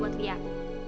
berarti lo udah berhenti